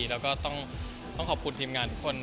แล้วก็ต้องขอบคุณทีมงานทุกคน